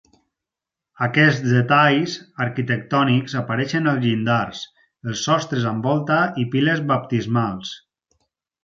Aquests detalls arquitectònics apareixen als llindars, els sostres amb volta i piles baptismals.